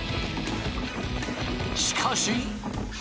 しかし。